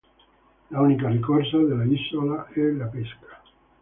L'unica risorsa dell'isola è la pesca.